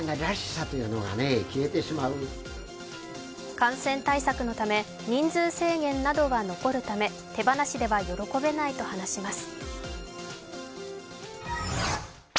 感染対策のため人数制限などは残るため手放しでは喜べないと話します。